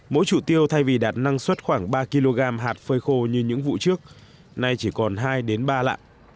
mỗi trụ tiêu thay vì đạt năng suất khoảng ba kg hạt phơi khô như những vụ trước nay chỉ còn hai ba lạng